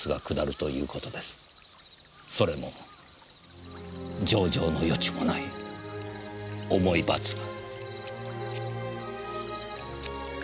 それも情状の余地もない重い罰が。